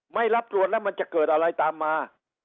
ไม่รับตรวจแล้วมันจะเกิดอะไรตามมา